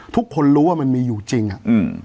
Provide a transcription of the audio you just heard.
ทุกคนรู้ว่ามันมีอยู่จริงอ่ะอืม